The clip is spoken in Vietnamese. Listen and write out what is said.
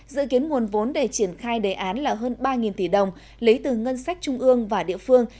dự kiến nguồn vốn để triển khai đề án là hơn ba tỷ đồng lấy từ ngân sách trung ương và địa phương